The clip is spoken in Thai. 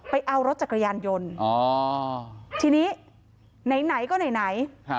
ไปเอารถจักรยานยนต์ทีนี้ไหนก็ไหน